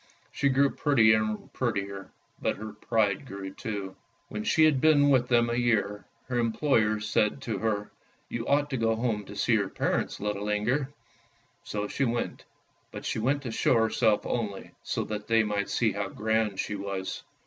She grew prettier and prettier, but her pride grew too. When she had been with them a year, her employers said to her, " You ought to go home to see your parents, little Inger! " So she went, but she went to show herself only, so that they might see how grand she was.